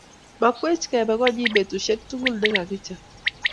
Makwech kebe konyi betushek tukul nekakimach